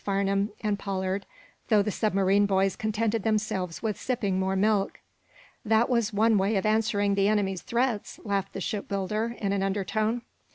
Farnum and Pollard, though the submarine boys contented themselves with sipping more milk. "That was one way of answering the enemy's threats," laughed the shipbuilder, in an undertone.